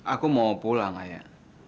aku mau pulang ayah